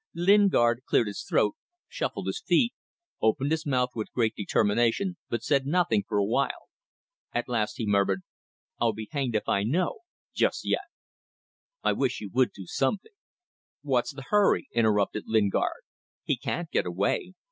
Lingard cleared his throat, shuffled his feet, opened his mouth with great determination, but said nothing for a while. At last he murmured "I'll be hanged if I know just yet." "I wish you would do something soon ..." "What's the hurry?" interrupted Lingard. "He can't get away.